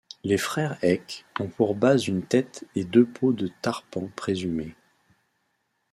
Les frères Heck ont pour base une tête et deux peaux de Tarpan présumées.